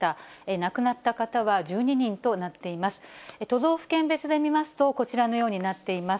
亡くなった方は１２人となっています。